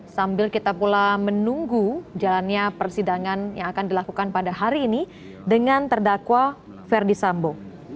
sambil kita pula menunggu jalannya persidangan yang akan dilakukan pada hari ini dengan terdakwa ferdi sambo